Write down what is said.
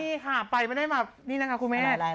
นี่ค่ะไปไม่ได้มานี่นะคะคุณแม่